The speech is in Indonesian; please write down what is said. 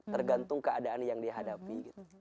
tergantung keadaan yang dihadapi